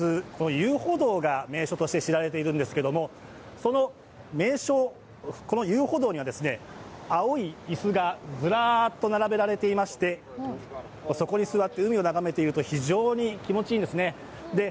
遊歩道が名所として知られているんですけれども、その名所、この遊歩道には青い椅子がずらっと並べられていまして、そこに座って海を眺めていると非常に気持ちがいいんですね。